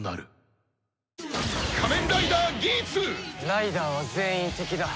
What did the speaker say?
ライダーは全員敵だ。